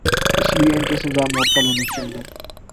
اسی لئے ان کی سزا معطل ہونی چاہیے۔